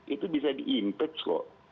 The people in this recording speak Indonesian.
itu bisa di impej kok